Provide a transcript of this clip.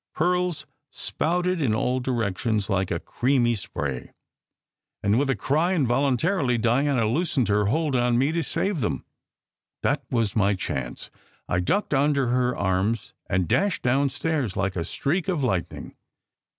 Pearls spouted in all directions like a creamy spray, and with a cry, involun tarily Diana loosened her hold on me to save them. That was my chance ! I ducked under her arms and dashed down stairs like a streak of lightning.